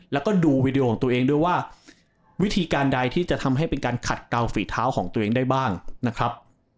แล้วก็ดูวีดีโอของตัวเองด้วยว่าวิธีการใดที่จะทำให้เป็นการขัดเกาฝีเท้าของตัวเองได้บ้างนะครับ